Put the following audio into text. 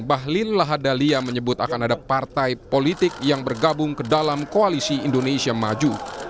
bahlil lahadalia menyebut akan ada partai politik yang bergabung ke dalam koalisi indonesia maju